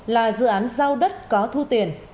là dự án giao đất có thu tiền